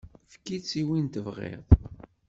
Efk-itt i win i tebɣiḍ.